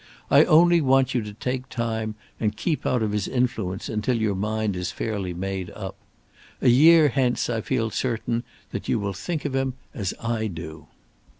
I only want you to take time and keep out of his influence until your mind is fairly made up. A year hence I feel certain that you will think of him as I do."